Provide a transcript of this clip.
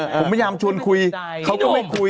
ผมพยายามชวนคุยเขาก็ไม่คุย